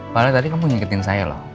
paling tadi kamu nyiketin saya loh